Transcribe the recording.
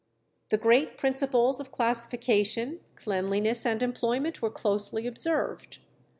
The great principles of classification, cleanliness, and employment were closely observed.